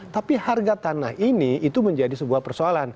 tapi harga tanah ini itu menjadi sebuah persoalan